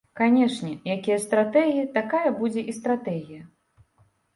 Канешне, якія стратэгі, такая будзе і стратэгія.